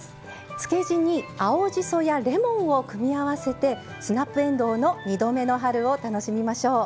つけ地に青じそやレモンを組み合わせてスナップえんどうの「２度目の春」を楽しみましょう。